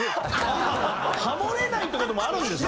ハモれないって事もあるんですね。